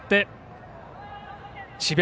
智弁